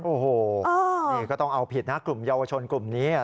โอ้โหนี่ก็ต้องเอาผิดนะกลุ่มเยาวชนกลุ่มนี้